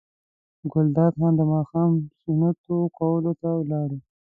ګلداد خان د ماښام سنتو کولو ته ولاړ و.